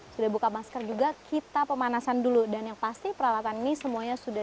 sudah buka masker juga kita pemanasan dulu dan yang pasti peralatan ini semuanya sudah